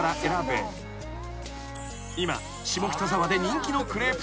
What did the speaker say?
［今下北沢で人気のクレープ店］